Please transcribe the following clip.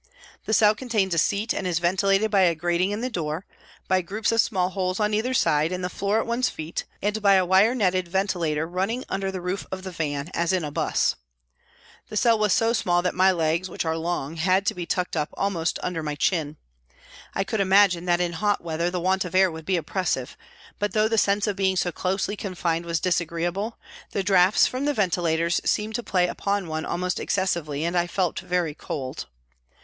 The cell contains a seat and is ventilated by a grating in the door, by groups of small holes on either side, in the floor at one's feet, and by a wire netted ventilator running under the roof of the van, as in a 'bus. The cell was so small POLICE COURT TRIAL 65 that my legs, which are long, had to be tucked up almost under my chin ; I could imagine that in hot weather the want of air would be oppressive, but though the sense of being so closely confined was disagreeable, the draughts from the ventilators seemed to play upon one almost excessively and I felt very cold.